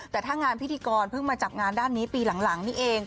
แต่ถ้างานพีธีกรเพิ่งมาจับงานไปปีหลังนี้เอง